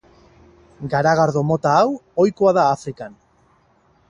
Garagardo mota hau ohikoa da Afrikan.